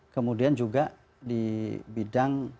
kemudian juga di bidang